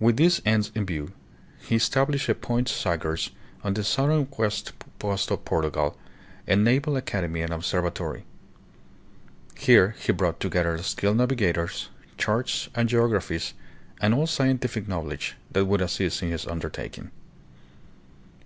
With these ends in view, he established at Point Sagres, on the south western coast of Portugal, a naval academy and obser vatory. Here he brought together skilled navigators, charts, and geographies, and all scientific knowledge that would assist in his undertaking.